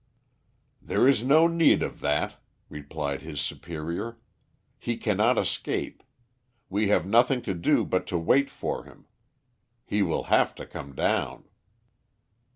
"There is no need of that," replied his superior. "He cannot escape. We have nothing to do but to wait for him. He will have to come down."